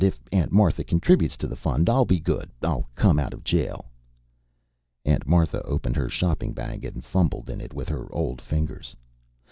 If Aunt Martha contributes to the fund, I'll be good. I'll come out of jail." Aunt Martha opened her shopping bag, and fumbled in it with her old fingers.